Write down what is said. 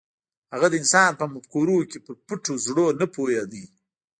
هغه د انسان په مفکورو کې پر پټو زرو نه پوهېده.